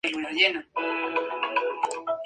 Empieza a tocar y comienza la canción.